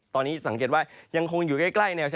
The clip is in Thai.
ตอนนี้สังเกตว่ายังคงอยู่ใกล้แนว